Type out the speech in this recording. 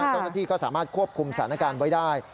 เจ้าหน้าที่ก็สามารถควบคุมสถานการณ์ไว้ได้